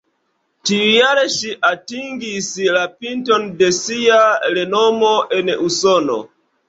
Tiujare ŝi atingis la pinton de sia renomo en Usono.